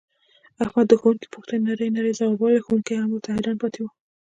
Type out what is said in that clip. احمد د ښوونکي پوښتنې نرۍ نرۍ ځواوبولې ښوونکی یې هم ورته حیران پاتې و.